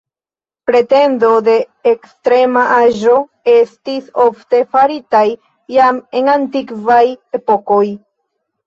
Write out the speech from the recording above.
Pretendo de ekstrema aĝo estis ofte faritaj, jam en antikvaj epokoj.